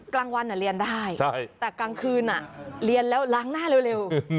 กลางวันเรียนได้แต่กลางคืนเรียนแล้วล้างหน้าเร็ว